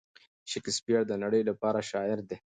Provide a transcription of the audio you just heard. شکسپیر د نړۍ لپاره شاعر دی.